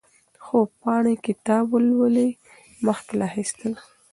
څو پاڼې کتاب ولولئ مخکې له اخيستلو.